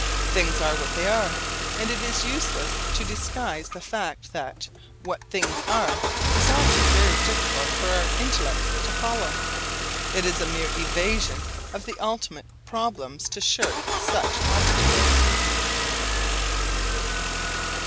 Things are what they are; and it is useless to disguise the fact that 'what things are' is often very difficult for our intellects to follow. It is a mere evasion of the ultimate problems to shirk such obstacles.